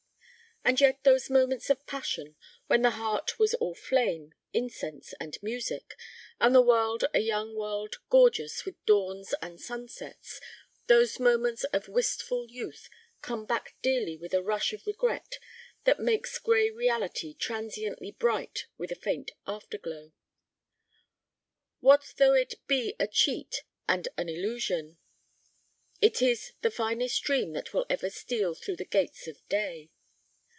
And yet those moments of passion when the heart was all flame, incense, and music, and the world a young world gorgeous with dawns and sunsets, those moments of wistful youth come back dearly with a rush of regret that makes gray reality transiently bright with a faint afterglow. What though it be a cheat and an illusion, it is the finest dream that will ever steal through the gates of day.